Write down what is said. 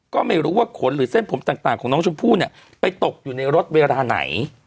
ก็ไม่รู้ว่าขนหรือเส้นผมต่างของน้องชมพู่เนี่ยไปตกอยู่ในรถเวลาไหน